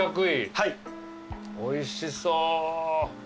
うわおいしそう。